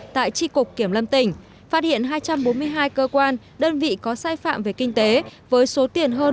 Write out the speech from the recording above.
tại tri cục kiểm lâm tỉnh phát hiện hai trăm bốn mươi hai cơ quan đơn vị có sai phạm về kinh tế với số tiền hơn